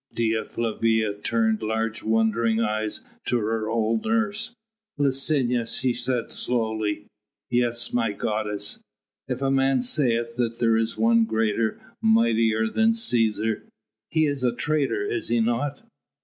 Dea Flavia turned large wondering eyes to her old nurse. "Licinia," she said slowly. "Yes, my goddess." "If a man saith that there is one greater, mightier than Cæsar ... he is a traitor, is he not?"